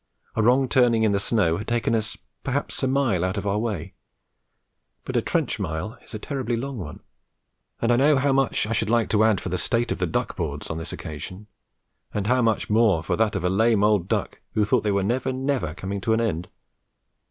A wrong turning in the snow had taken us perhaps a mile out of our way; but a trench mile is a terribly long one, and I know how much I should like to add for the state of the duck boards on this occasion, and how much more for that of a lame old duck who thought they were never, never coming to an end!